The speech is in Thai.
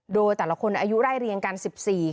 โดยแต่ละคนอายุไล่เรียงกัน๑๔ปี